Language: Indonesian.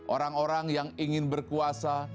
orang orang yang ingin berkuasa